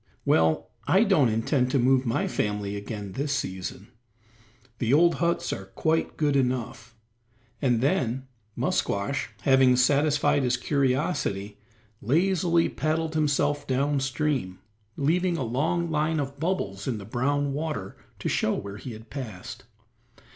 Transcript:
Well, I don't intend to move my family again this season; the old huts are quite good enough;" and then Musquash, having satisfied his curiosity, lazily paddled himself down stream leaving a long line of bubbles in the brown water to show where he had passed.